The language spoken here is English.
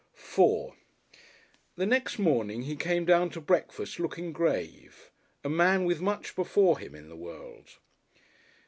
§4 The next morning he came down to breakfast looking grave a man with much before him in the world....